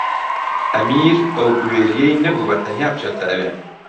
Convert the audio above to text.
ئەمیر ئەو بوێرییەی نەبوو بەتەنیا بچێتە ئەوێ.